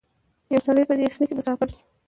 یو سړی په دې یخنۍ کي مسافر سو